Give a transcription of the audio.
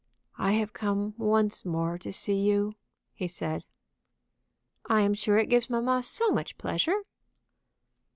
"I have come once more to see you," he said. "I am sure it gives mamma so much pleasure."